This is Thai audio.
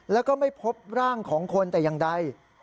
แล้วก็ไม่พบร่างของคนแต่อย่างใด